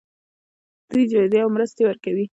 دوی جایزې او مرستې ورکوي.